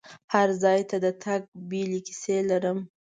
هر ځای ته د تګ بیلې کیسې لرم.